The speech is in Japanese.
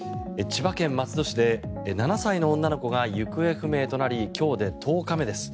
千葉県松戸市で７歳の女の子が行方不明となり今日で１０日目です。